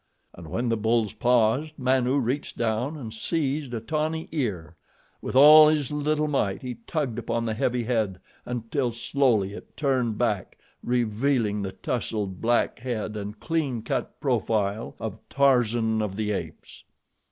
And when the bulls paused, Manu reached down and seized a tawny ear. With all his little might he tugged upon the heavy head until slowly it turned back, revealing the tousled, black head and clean cut profile of Tarzan of the Apes.